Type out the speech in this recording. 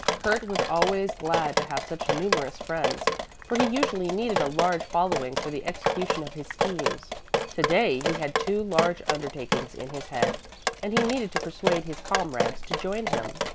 Kurt was always glad to have such numerous friends, for he usually needed a large following for the execution of his schemes. To day he had two large undertakings in his head, and he needed to persuade his comrades to join him.